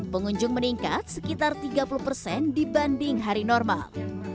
pengunjung meningkat sekitar tiga puluh persen dibanding hari normal